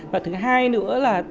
và thứ hai nữa là